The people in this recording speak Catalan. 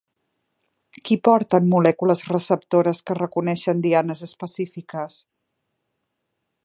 Qui porten molècules receptores que reconeixen dianes específiques?